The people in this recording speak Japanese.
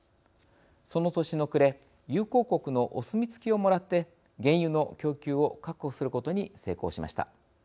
その年の暮れ友好国のお墨付きをもらって原油の供給を確保することに成功しました。